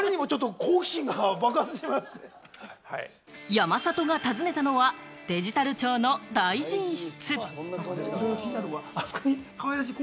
山里が訪ねたのは、デジタル庁の大臣室。